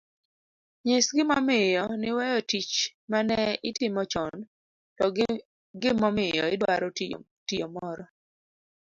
Nyis gimomiyo niweyo tich ma ne itimo chon to gi gimomiyo idwaro tiyo moro